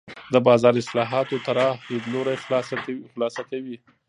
د بازار اصلاحاتو طراح لیدلوری خلاصه کوي.